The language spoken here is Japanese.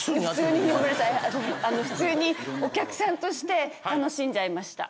普通にお客さんとして楽しんじゃいました。